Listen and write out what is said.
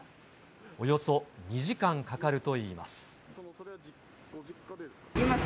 およそ２時間かかるといいます。